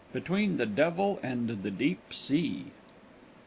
BETWEEN THE DEVIL AND THE DEEP SEA VIII.